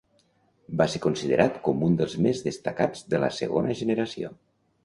Va ser considerat com un dels més destacats de la segona generació.